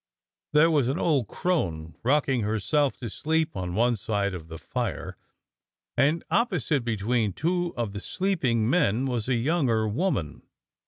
There was an old crone rocking herself to sleep on one side of the fire, and oppo site, between two of the sleeping men, was a younger woman.